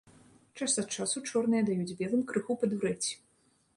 Час ад часу чорныя даюць белым крыху падурэць.